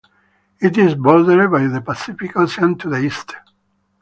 It is bordered by the Pacific Ocean to the east.